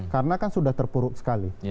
karena kan sudah terpuruk sekali